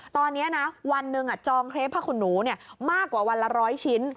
ตอนนี้นะวันหนึ่งจองเครปผ้าขนหนูมากกว่าวันละ๑๐๐ชิ้น